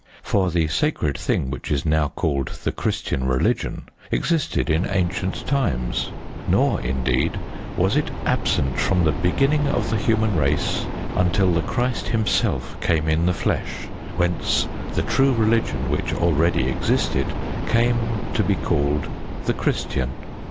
For the sacred thing which is now called the Christian religion existed in ancient times, nor, indeed, was it absent from the beginning of the human race until the Christ Himself came in the flesh, whence the true religion which already existed came to be called "the Christian."